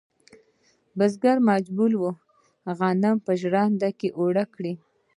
بزګران مجبور ول غنم په ژرندو کې اوړه کړي.